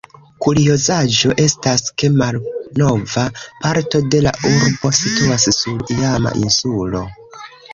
Kuriozaĵo estas ke malnova parto de la urbo situas sur iama insulo.